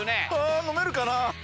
あ飲めるかな。